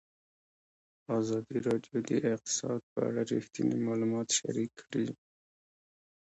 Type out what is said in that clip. ازادي راډیو د اقتصاد په اړه رښتیني معلومات شریک کړي.